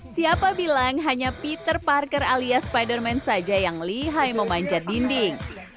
siapa bilang hanya peter parker alias spiderman saja yang lihai memanjat dinding